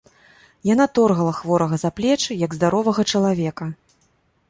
Яна торгала хворага за плечы, як здаровага чалавека.